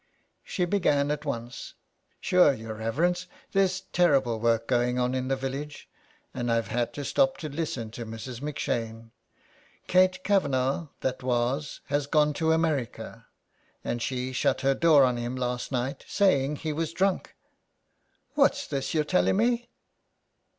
She began at once :'' Sure, your reverence, there's terrible work going on in the village, and I had to stop to listen to Mrs. 85 SOME PARISHIONERS. M 'Shane. Kate Kavanagh, that was, has gone to America, and she shut her door on him last night, saying he was drunk." '' What's this you're telling me